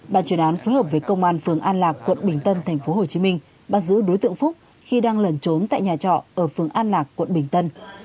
bàn chuyên án phối hợp với công an phường an lạc quận bình tân tp hcm bắt giữ đối tượng phúc khi đang lẩn trốn tại nhà trọ ở phường an lạc quận bình tân